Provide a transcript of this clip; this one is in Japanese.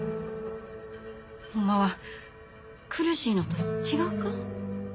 ホンマは苦しいのと違うか？